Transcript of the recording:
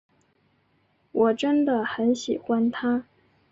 我真的很喜欢他。